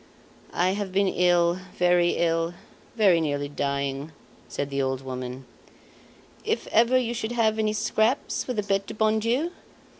"I have been very ill, very nearly dying," said the old woman. "If ever you should have any scraps for the Bete du Bon Dieu